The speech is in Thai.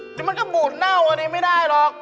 เดี๋ยวมันก็บูดเน่าอันนี้ไม่ได้หรอก